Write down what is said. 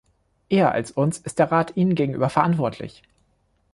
Eher als uns ist der Rat ihnen gegenüber verantwortlich.